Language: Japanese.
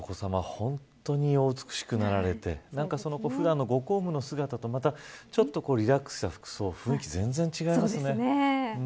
本当にお美しくなられて普段のご公務の姿と、またちょっとリラックスした服装雰囲気、全然違いますね。